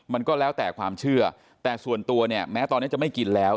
มันก็แล้วแต่ความเชื่อแต่ส่วนตัวเนี่ยแม้ตอนนี้จะไม่กินแล้ว